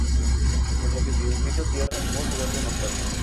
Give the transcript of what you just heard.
Por lo que significa tierra o lugar de nopales.